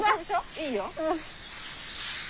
いいよ。